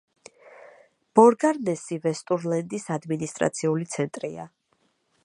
ბორგარნესი ვესტურლენდის ადმინისტრაციული ცენტრია.